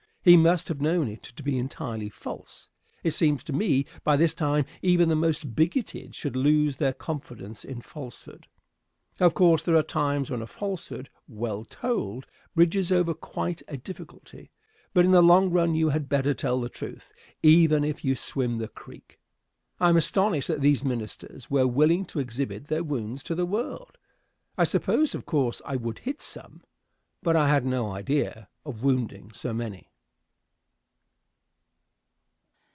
He must have known it to be entirely false. It seems to me by this time even the most bigoted should lose their confidence in falsehood. Of course there are times when a falsehood well told bridges over quite a difficulty, but in the long run you had better tell the truth, even if you swim the creek. I am astonished that these ministers were willing to exhibit their wounds to the world. I supposed of course I would hit some, but I had no idea of wounding so many.